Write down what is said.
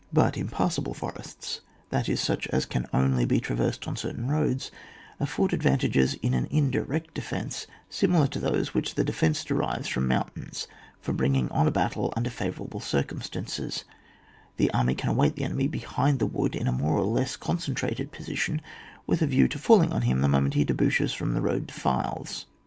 But impassable forests, that is, such as can only be traversed on certain roads, afford advantages in an indirect defence similar to those which the defence derives from moimtains for bringing on a battle under favourable circumstances ; the army can await the enemy behind the wood in a more or less concentrated position with a view to falling on him the moment he debouches from the road defiles.